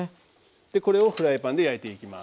これをフライパンで焼いていきます。